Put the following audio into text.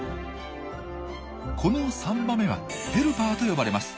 この３羽目は「ヘルパー」と呼ばれます。